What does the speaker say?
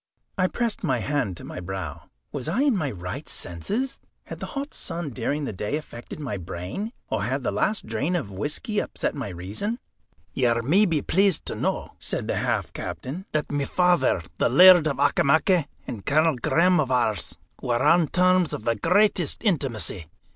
I pressed my hand to my brow. Was I in my right senses? Had the hot sun during the day affected my brain, or had the last drain of whisky upset my reason? "You may be pleased to know," said the half captain, "that my father, the Laird of Auchimachie, and Colonel Graham of Ours, were on terms of the greatest intimacy.